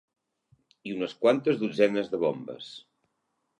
...i unes quantes dotzenes de bombes